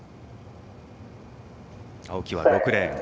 青木は６レーン。